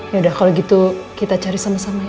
yaudah kalau gitu kita cari sama sama ya